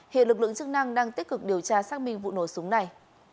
hiện lực lượng chức năng đang tích cực điều tra xác minh vụ nổ súng này